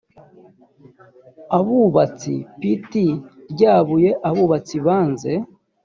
abubatsi pt rya buye abubatsi banze